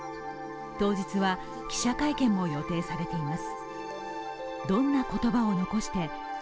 当日は、記者会見も予定されています。